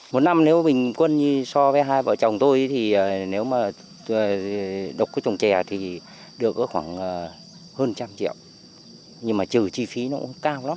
một năm nếu bình quân so với hai vợ chồng tôi thì nếu mà đục cái trồng chè thì được khoảng hơn trăm triệu nhưng mà trừ chi phí nó cũng cao lắm